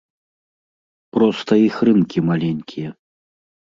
Проста іх рынкі маленькія.